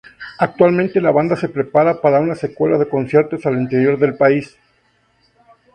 Actualmente la banda se prepara para una secuela de conciertos al interior del país.